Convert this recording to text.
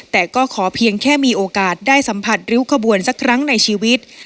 แต่ก็ขอเพียงแค่มีโอกาสได้สัมผัสริ้วขบวนสักครั้งในชีวิต